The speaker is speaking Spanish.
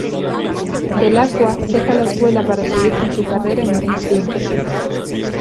Dell'Acqua deja la escuela para seguir con su carrera en el cine.